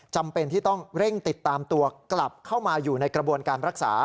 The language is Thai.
จำเป็นที่ต้องเร่งติดตามตัวกลับเข้ามาอยู่ในกระบวนการรักษา